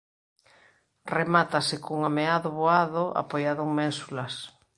Remátase cun ameado voado apoiado en ménsulas.